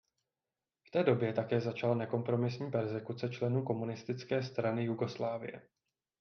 V té době také začala nekompromisní perzekuce členů Komunistické strany Jugoslávie.